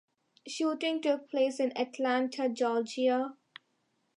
Shooting took place in Atlanta, Georgia.